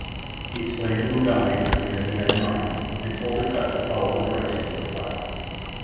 He explained to Mugambi the thing that he had in mind, and told Akut to follow the directions of the black.